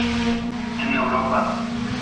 En Europa.